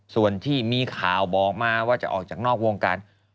ส่วนที่มีข่าวบอกมาว่าจะออกจากนอกวงการ